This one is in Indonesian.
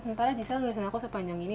sementara jiselle nulisin aku sepanjang ini